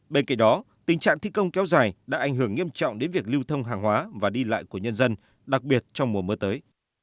bên cạnh đó tình trạng thi công kéo dài đã ảnh hưởng nghiêm trọng đến việc lưu thông hàng hóa và đi lại của nhân dân đặc biệt trong mùa mưa tới